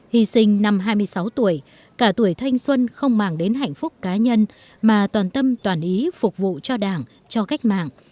hy sinh năm hai mươi sáu tuổi cả tuổi thanh xuân không mang đến hạnh phúc cá nhân mà toàn tâm toàn ý phục vụ cho đảng cho cách mạng